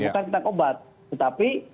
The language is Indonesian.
bukan tentang obat tetapi